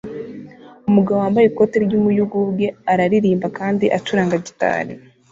Umugabo wambaye ikoti ry'umuyugubwe araririmba kandi acuranga gitari